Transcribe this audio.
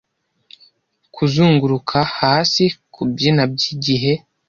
Kuzunguruka hasi kubyina byigihe.